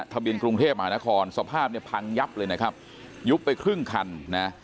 เบียนกรุงเทพมหานครสภาพเนี่ยพังยับเลยนะครับยุบไปครึ่งคันนะ